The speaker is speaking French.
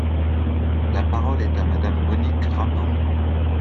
La parole est à Madame Monique Rabin.